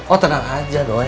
oh tenang aja doi